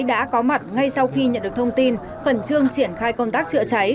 đã có mặt ngay sau khi nhận được thông tin khẩn trương triển khai công tác chữa cháy